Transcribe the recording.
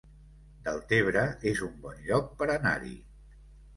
Deltebre es un bon lloc per anar-hi